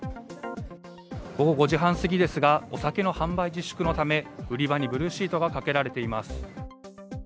午後５時半すぎですが、お酒の販売自粛のため売り場にブルーシートがかけられています。